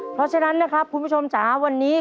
เพราะฉะนั้นนะครับคุณผู้ชมจ๋าวันนี้